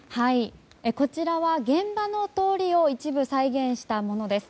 こちらは現場の通りを一部、再現したものです。